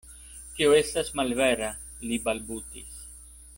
Tio estas malvera, li balbutis.